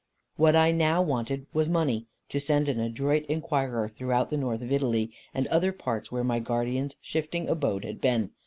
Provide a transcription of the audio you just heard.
What I now wanted was money, to send an adroit inquirer throughout the North of Italy, and other parts where my guardian's shifting abode had been.